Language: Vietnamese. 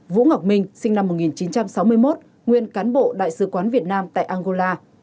vũ ngọc minh sinh năm một nghìn chín trăm sáu mươi một nguyên cán bộ đại sứ quán việt nam tại angola